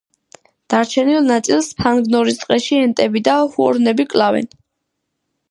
დარჩენილ ნაწილს ფანგორნის ტყეში ენტები და ჰუორნები კლავენ.